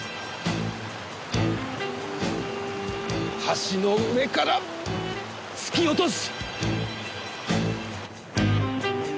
橋の上から突き落とす！